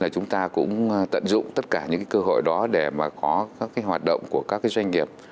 chúng ta cũng tận dụng tất cả những cơ hội đó để có các hoạt động của các doanh nghiệp